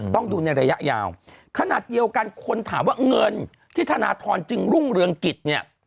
ต้องดูในระยะยาวขนาดเดียวกันคนถามว่าเงินที่ธนทรจึงรุ่งเรืองกิจเนี่ย